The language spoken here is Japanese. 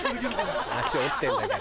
足折ってんだから。